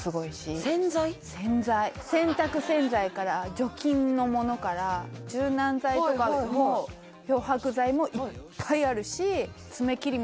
洗剤洗濯洗剤から除菌のものから柔軟剤とかも漂白剤もいっぱいあるし爪切り！？